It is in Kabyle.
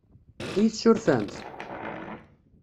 Ad iyi-tessurfemt?